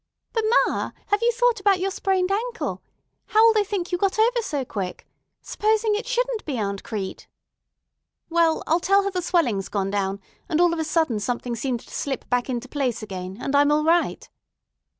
"But ma, have you thought about your sprained ankle? How'll they think you got over so quick? S'posing it shouldn't be Aunt Crete." "Well, I'll tell her the swelling's gone down, and all of a sudden something seemed to slip back into place again, and I'm all right."